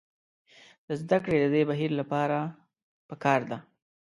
د زدکړې د دې بهیر لپاره پکار ده.